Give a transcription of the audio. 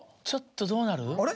ちょっとどうなる？